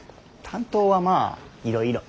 担当はまあいろいろ。